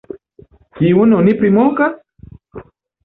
Kiun oni primokas?